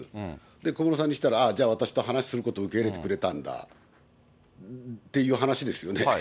小室さんにしたら、じゃあ私と話することを受け入れてくれたんだっていう話ですよね。